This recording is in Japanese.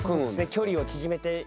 距離を縮めて。